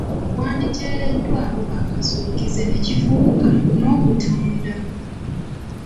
Kyanditeereddwamu akasukkize ne kifuuka n’okutunda.